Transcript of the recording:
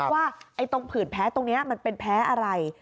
ว่าตรงผื่นแพ้ตรงนี้มันเป็นแพ้อะไร